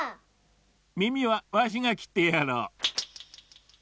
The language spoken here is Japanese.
みみはわしがきってやろう。